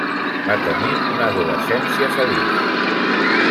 Va tenir una adolescència feliç.